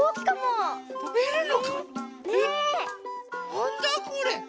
なんだこれ？